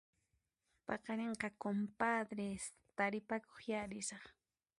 Paqarinqa compadres, taripakuqyá risaq.